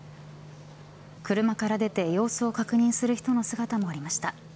車から出て様子を確認する人の姿もありました。